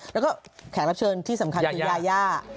แล้วก็แขกรับเชิญที่สำคัญคือยายา